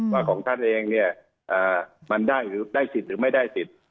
ว่าของท่านเองมันได้สิทธิ์หรือไม่ได้สิทธิ์